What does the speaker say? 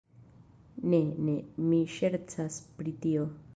Ne, ne, mi ŝercas pri tio